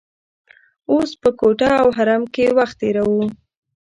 اوس په کوټه او حرم کې وخت تیروو.